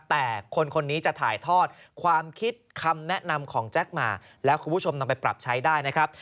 แต่คนคนนี้จะถ่ายทอดความคิดคำแนะนำของแจ็คมาแล้วคุณผู้ชมนำไปปรับใช้ได้นะครับ